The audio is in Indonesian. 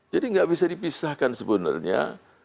jadi nggak bisa dipisahkan sebenarnya